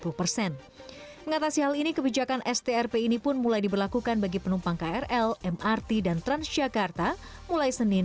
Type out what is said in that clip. mengatasi hal ini kebijakan strp ini pun mulai diberlakukan bagi penumpang krl mrt dan transjakarta mulai senin